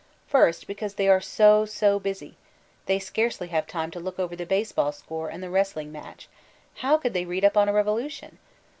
First because they tre so, so, busy; they scarcely have time to look over the baseball score and the wrestling match ; how could diey read up on a revolution!